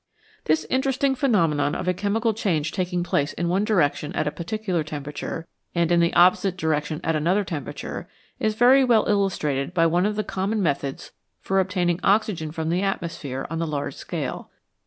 This interesting phenomenon of a chemical change taking place in one direction at a particular tempera ture, and in the opposite direction at another tempera ture, is very well illustrated by one of the common methods for obtaining oxygen from the atmosphere on the large scale.